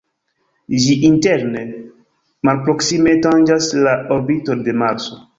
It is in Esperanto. Ĝi interne malproksime tanĝas la orbiton de Marso.